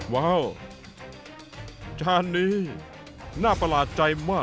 ว้าวจานนี้น่าประหลาดใจมาก